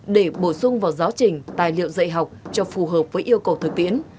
để bổ sung vào giáo trình tài liệu dạy học cho phù hợp với yêu cầu thực tiễn